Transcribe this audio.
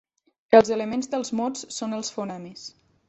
Els elements dels mots són els fonemes.